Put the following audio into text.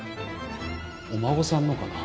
お孫さんのかな？